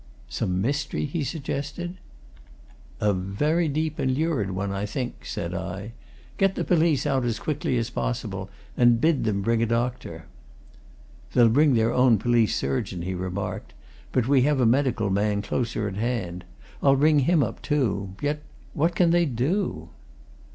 "Some mystery?" he suggested. "A very deep and lurid one, I think," said I. "Get the police out as quickly as possible, and bid them bring a doctor." "They'll bring their own police surgeon," he remarked, "but we have a medical man closer at hand. I'll ring him up, too. Yet what can they do?"